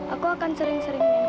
aku akan sering sering ingin kesini kok